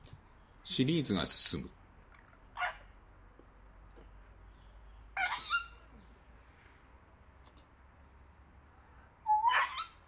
シリーズが進む